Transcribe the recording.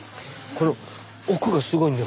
この奥がすごいのよ